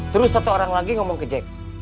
terus satu orang lagi ngomong ke jack